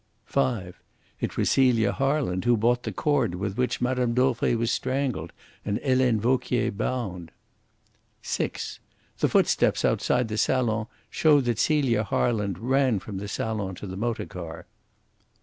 (5) It was Celia Harland who bought the cord with which Mme. Dauvray was strangled and Helene Vauquier bound. (6) The footsteps outside the salon show that Celia Harland ran from the salon to the motor car.